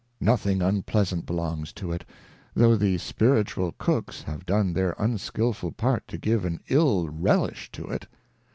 Nothing unpleasant belongs to it, though the Spiritual Cooks have done their unskilful part to give an ill Relish to it.